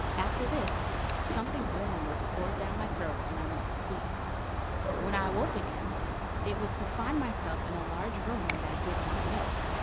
After this something warm was poured down my throat, and I went to sleep. When I awoke again it was to find myself in a large room that I did not know.